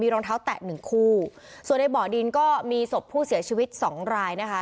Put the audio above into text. รองเท้าแตะหนึ่งคู่ส่วนในบ่อดินก็มีศพผู้เสียชีวิตสองรายนะคะ